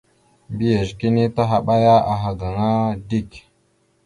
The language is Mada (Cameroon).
Mbiyez kini tahaɓaya aha gaŋa dik.